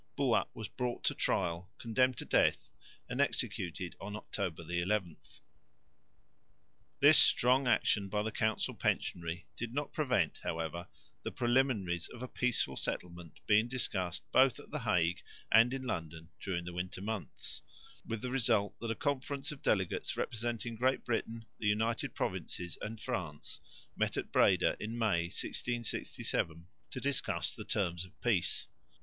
Buat was brought to trial, condemned to death, and executed on October 11. This strong action by the council pensionary did not prevent, however, the preliminaries of a peaceful settlement being discussed both at the Hague and in London during the winter months, with the result that a conference of delegates representing Great Britain, the United Provinces and France, met at Breda in May, 1667, to discuss the terms of peace.